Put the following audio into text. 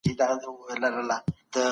روښانه فکر ستونزي نه زیاتوي.